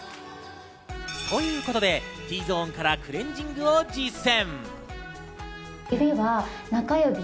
ということで、Ｔゾーンからクレンジングを実践。